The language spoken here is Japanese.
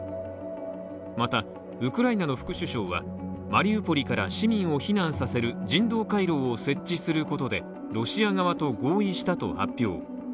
また、ウクライナの副首相はマリウポリから市民を避難させる人道回廊を設置することでロシア側と合意したと発表。